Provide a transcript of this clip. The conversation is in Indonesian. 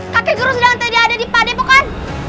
kakek guru sudah nanti ada di pade bukan